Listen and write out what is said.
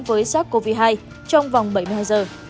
với sars cov hai trong vòng bảy mươi hai giờ